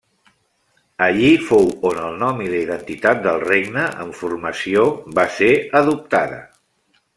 Allí fou on el nom i la identitat del regne en formació va ser adoptada.